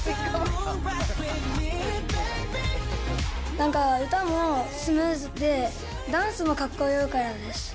なんか、歌もスムーズで、ダンスもかっこいいからです。